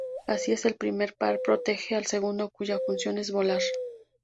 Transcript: Así el primer par protege al segundo cuya función es volar.